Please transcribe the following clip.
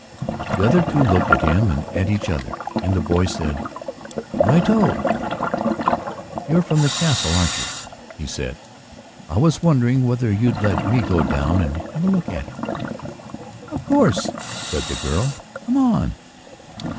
The other two looked at him and at each other, and the boy said, "Righto." "You're from the Castle, aren't you?" he said. "I was wondering whether you'd let me go down and have a look at it?" "Of course," said the girl. "Come on."